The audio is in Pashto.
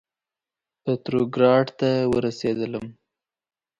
پتروګراډ ته ورسېدلم.